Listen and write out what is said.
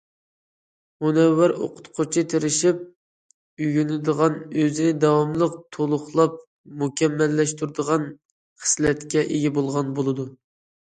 مۇنەۋۋەر ئوقۇتقۇچى تىرىشىپ ئۆگىنىدىغان، ئۆزىنى داۋاملىق تولۇقلاپ مۇكەممەللەشتۈرىدىغان خىسلەتكە ئىگە بولغان بولىدۇ.